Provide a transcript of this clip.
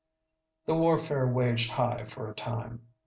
The warfare waged high for a time.